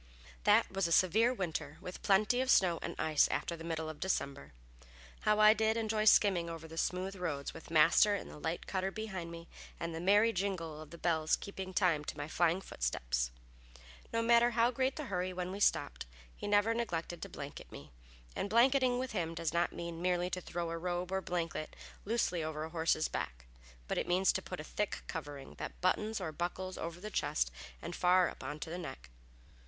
That was a severe winter, with plenty of snow and ice after the middle of December. How I did enjoy skimming over the smooth roads, with Master in the light cutter behind me, and the merry jingle of the bells keeping time to my flying footsteps. No matter how great the hurry when we stopped, he never neglected to blanket me, and blanketing with him does not mean merely to throw a robe or blanket loosely over a horse's back, but it means to put a thick covering that buttons or buckles over the chest and far up onto the neck.